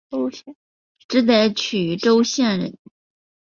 直隶曲周县人。